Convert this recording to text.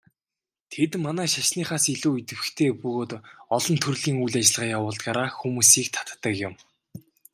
Тэд манай шашныхаас илүү идэвхтэй бөгөөд олон төрлийн үйл ажиллагаа явуулдгаараа хүмүүсийг татдаг юм.